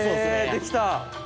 できた。